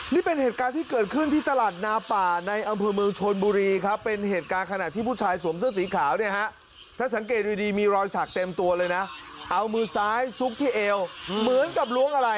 นี่เป็นเหตุการณ์ที่เกิดขึ้นที่ตลาดนาป่าในอำเภอเมืองชนบุรีครับเป็นเหตุการณ์ขณะที่ผู้ชายสวมเสื้อสีขาวเนี่ยฮะถ้าสังเกตดีมีรอยสักเต็มตัวเลยนะเอามือซ้ายซุกที่เอวเหมือนกับล้วงอะไร